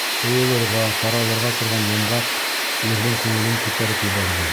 Ҡойолорға, таралырға торған йомғаҡ ирҙең күңелен күтәреп ебәрҙе.